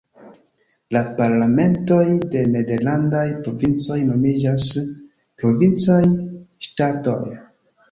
La parlamentoj de nederlandaj provincoj nomiĝas "Provincaj Statoj".